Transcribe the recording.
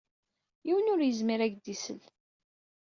Yiwen ur yezmir ad k-d-isel.